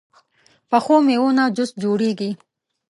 پخو میوو نه جوس جوړېږي